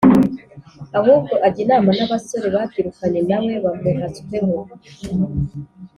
ahubwo ajya inama n’abasore babyirukanye na we, bamuhatsweho